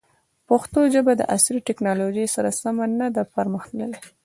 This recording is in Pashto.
پښتو ژبه د عصري تکنالوژۍ سره سمه نه ده پرمختللې.